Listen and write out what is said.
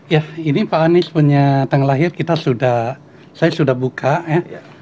ya ini pak anies punya tanggal lahir kita sudah saya sudah buka ya